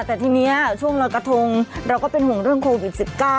แต่ทีนี้ช่วงลอยกระทงเราก็เป็นห่วงเรื่องโควิด๑๙